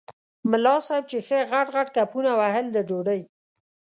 ملا صاحب چې ښه غټ غټ کپونه وهل د ډوډۍ.